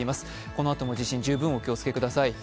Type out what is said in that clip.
このあとも地震、十分にお気を付けください。